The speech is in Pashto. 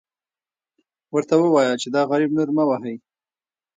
ورته ووایه چې دا غریب نور مه وهئ.